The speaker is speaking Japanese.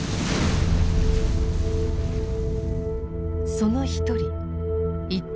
その一人一等